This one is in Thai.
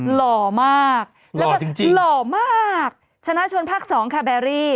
หล่อมากแล้วก็หล่อมากชนะชนภาคสองคาแบรี่